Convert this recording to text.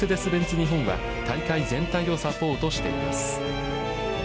日本は大会全体をサポートしています。